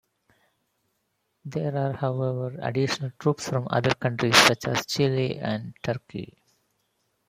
There are however, additional troops from other countries such as Chile and Turkey.